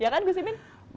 ya kan gus imin